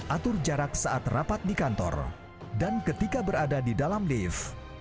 atur jarak saat rapat di kantor dan ketika berada di dalam lift